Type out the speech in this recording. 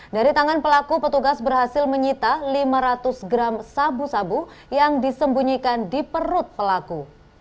dari tangan pelaku petugas berhasil menyita lima ratus gram sabu sabu yang disembunyikan di perut pelaku